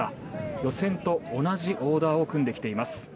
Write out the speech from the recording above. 予選と同じオーダーを組んできています。